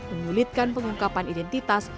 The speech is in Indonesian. menyulitkan pengungkapan identitas